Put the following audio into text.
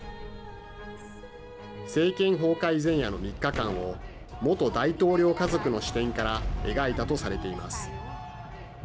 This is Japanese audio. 政権崩壊前夜の３日間を元大統領家族の視点から描いたとされています。